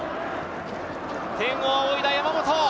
天を仰いだ山本。